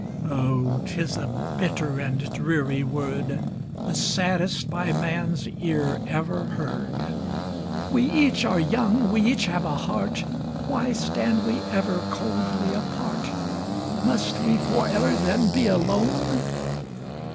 O, 'tis a bitter and dreary word, The saddest by man's ear ever heard! We each are young, we each have a heart, Why stand we ever coldly apart? Must we forever, then, be alone?